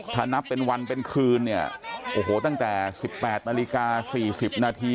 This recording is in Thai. ถ้านับเป็นวันเป็นคืนเนี่ยโอ้โหตั้งแต่๑๘นาฬิกา๔๐นาที